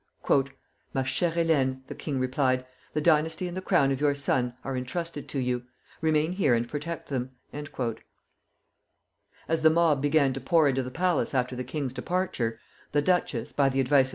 "Ma chère Hélène," the king replied, "the dynasty and the crown of your son are intrusted to you. Remain here and protect them." As the mob began to pour into the palace after the king's departure, the duchess, by the advice of M.